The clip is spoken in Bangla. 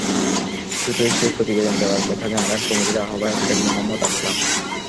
দ্রুতই সেই প্রতিবেদন দেওয়ার কথা জানালেন কমিটির আহ্বায়ক শেখ মোহাম্মদ আসলাম।